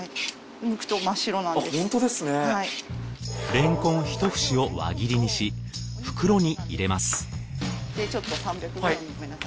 れんこん１節を輪切りにし袋に入れます